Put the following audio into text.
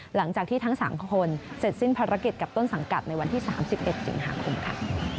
หลังจากที่ทั้ง๓คนเสร็จสิ้นภารกิจกับต้นสังกัดในวันที่๓๑สิงหาคมค่ะ